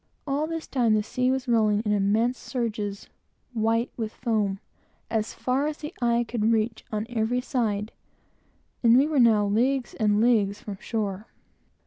All this time, the sea was rolling in immense surges, white with foam, as far as the eye could reach, on every side, for we were now leagues and leagues from shore.